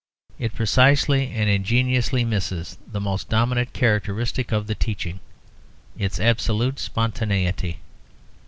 It precisely and ingeniously misses the most dominant characteristic of the teaching its absolute spontaneity.